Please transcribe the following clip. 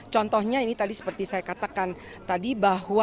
contohnya ini tadi seperti saya katakan tadi bahwa